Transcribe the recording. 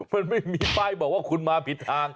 มันไม่มีป้ายบอกว่าคุณมาผิดทาง